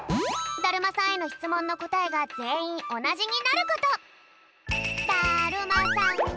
だるまさんへのしつもんのこたえがぜんいんおなじになること。